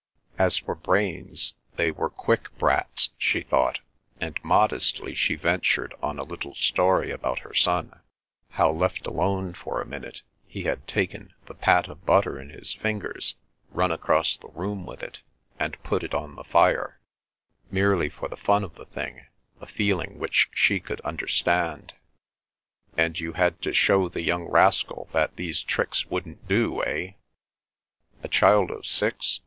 As for brains, they were quick brats, she thought, and modestly she ventured on a little story about her son,—how left alone for a minute he had taken the pat of butter in his fingers, run across the room with it, and put it on the fire—merely for the fun of the thing, a feeling which she could understand. "And you had to show the young rascal that these tricks wouldn't do, eh?" "A child of six?